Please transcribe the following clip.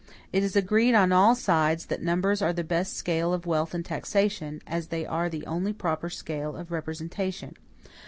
It is agreed on all sides, that numbers are the best scale of wealth and taxation, as they are the only proper scale of representation.